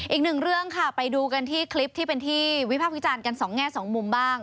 อีกหนึ่งเรื่องค่ะไปดูกันที่คลิปที่เป็นที่วิพากษ์วิจารณ์กันสองแง่สองมุมบ้าง